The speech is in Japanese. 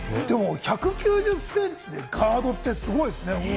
１９０ｃｍでシューティングガードってすごいですね。